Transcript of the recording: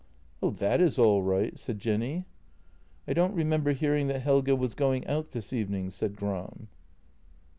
" Oh, that is all right," said Jenny. " I don't remember hearing that Helge was going out this evening," said Gram.